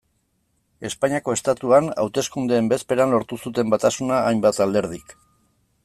Espainiako Estatuan hauteskundeen bezperan lortu zuten batasuna hainbat alderdik.